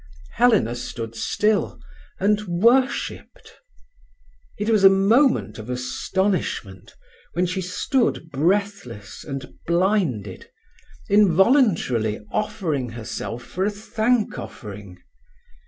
Helena stood still and worshipped. It was a moment of astonishment, when she stood breathless and blinded, involuntarily offering herself for a thank offering.